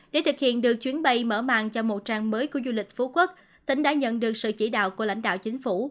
để thực hiện được chuyến bay mở màng cho một trang mới của du lịch phú quốc tỉnh đã nhận được sự chỉ đạo của lãnh đạo chính phủ